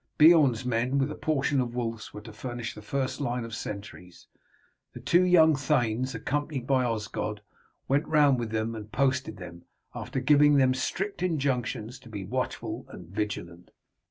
Beorn's men, with a portion of Wulf's, were to furnish the first line of sentries. The two young thanes, accompanied by Osgod, went round with them and posted them, after giving them strict injunctions to be watchful and vigilant.